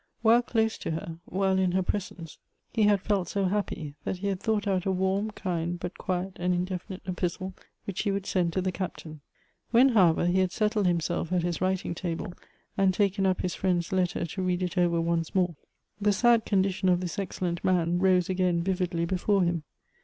While close to her — while in her presence — he had felt so happy, that he had thought out a warm, kind, but quiet and indefinite epistle which he would send to the Captain. When, however, he had settled himself at his writing table, and taken up his friend's letter to read it over once more, the sad condition of this excellent man rose again vividly before him.